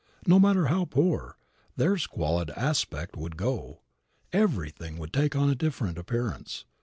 No matter how poor, their squalid aspect would go. Everything would take on a different appearance.